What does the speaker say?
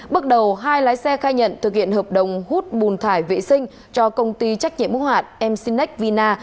bước đầu hai lái xe khai nhận thực hiện hợp đồng hút bùn thải vệ sinh cho công ty trách nhiệm mô hạn mcinec vina